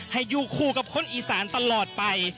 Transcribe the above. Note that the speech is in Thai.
ให้อยู่คู่กับคนอีสานตลอดไป